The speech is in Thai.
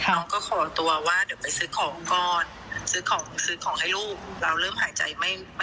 น้องก็ขอตัวว่าเดี๋ยวไปซื้อของก่อนซื้อของซื้อของให้ลูกเราเริ่มหายใจไม่ไม่